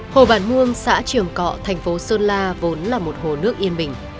hồ bản muông xã triều cọ thành phố sơn la vốn là một hồ nước yên bình